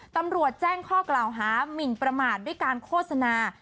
ตำรวจแจ้งข้อกล่าวหามินประมาทด้วยการโฆษณา